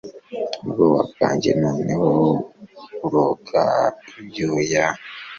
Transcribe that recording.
ubwoba bwanjye noneho buroga ibyuya